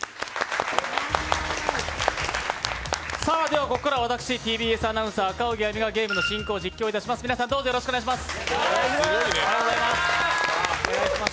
では、ここからはＴＢＳアナウンサー、赤荻歩がゲームの進行を実況します。